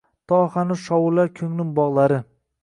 To hanuz shovullar ko‘nglim bog‘lari